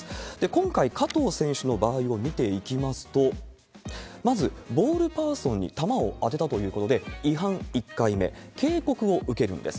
今回、加藤選手の場合を見ていきますと、まずボールパーソンに球を当てたということで、違反１回目、警告を受けるんです。